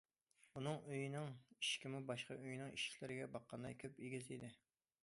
ئۇنىڭ ئۆينىڭ ئىشىكىمۇ باشقا ئۆينىڭ ئىشىكلىرىگە باققاندا كۆپ ئېگىز ئىدى.